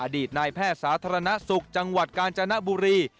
ตนายแพทย์สาธารณสุขจังหวัดกาญจนบุรี